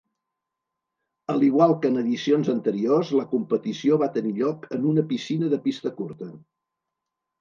A l'igual que en edicions anteriors, la competició va tenir lloc en una piscina de pista curta.